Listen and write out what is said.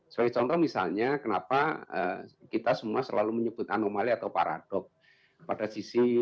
sebagai contoh misalnya kenapa kita semua selalu menyebut anomali atau paradok pada sisi